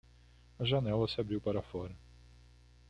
A janela se abriu para fora.